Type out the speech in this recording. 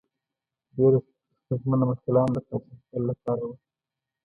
ډیره ستونزمنه مساله هم د قاچاقبر له پاره وه.